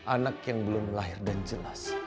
anak yang belum lahir dan jelas